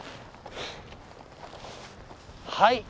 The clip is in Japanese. はい。